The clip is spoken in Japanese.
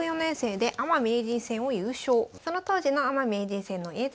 その当時のアマ名人戦の映像がございます。